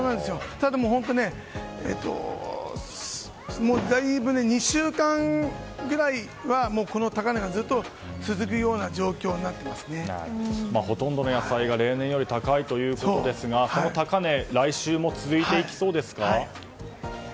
ただ、本当だいぶ２週間ぐらいは高値がずっと続くような状況にほとんどの野菜が例年より高いということですがその高値来週も続いていきそうですか？